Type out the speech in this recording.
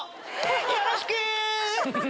よろしく！